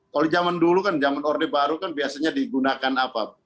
kalau zaman dulu kan zaman orde baru kan biasanya digunakan apa